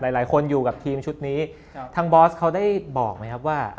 หลายคนอยู่กับทีมชุดนี้ทางบอสเขาได้บอกไหมครับว่า